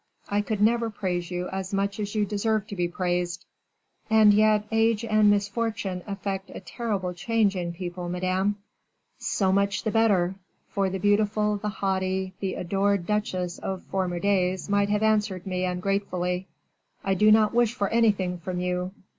"I could never praise you as much as you deserve to be praised." "And yet, age and misfortune effect a terrible change in people, madame." "So much the better; for the beautiful, the haughty, the adored duchesse of former days might have answered me ungratefully, 'I do not wish for anything from you.